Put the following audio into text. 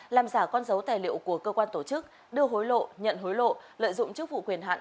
làm giả con dấu tài liệu của cơ quan tổ chức đưa hối lộ nhận hối lộ lợi dụng chức vụ quyền hạn